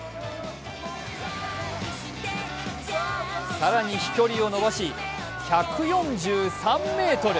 更に飛距離を伸ばし１４３ｍ。